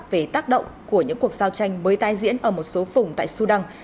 và bị tác động của những cuộc giao tranh mới tái diễn ở một số phùng tại sudan